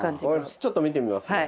ちょっと見てみますね。